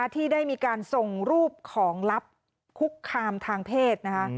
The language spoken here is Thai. ที่ได้มีการส่งรูปของลับคุกคามทางเพศ